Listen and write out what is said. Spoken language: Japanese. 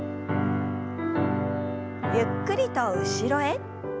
ゆっくりと後ろへ。